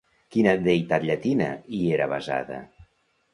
Quina deïtat llatina hi era basada?